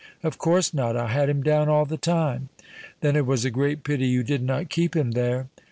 "Of course not: I had him down all the time." "Then it was a great pity you did not keep him there."